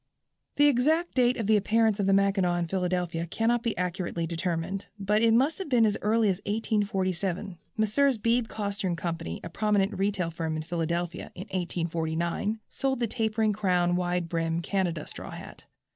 The exact date of the appearance of the Mackinaw in Philadelphia cannot be accurately determined, but it must have been as early as 1847. Messrs. Beebe, Coster & Co., a prominent retail firm in Philadelphia, in 1849, sold the tapering crown, wide brim "Canada straw hat."